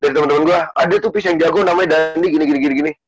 dari temen temen gue ah dia tuh pis yang jago namanya dandi gini gini gini